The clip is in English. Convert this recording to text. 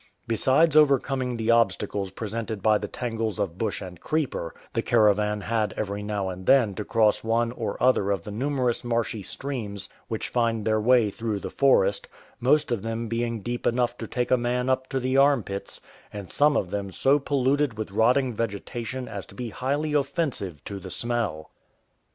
Besides overcoming the obstacles presented by the tangles of bush and creeper, the caravan had every now and then to cross one or other of the numerous marshy streams which find their way through the forest, most of them being deep enough to take a man up to the armpits, and some of them so polluted with rotting vegetation as to be highly offensive to the smell.